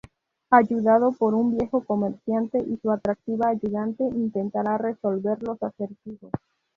Ayudado por un viejo comerciante y su atractiva ayudante, intentará resolver los acertijos.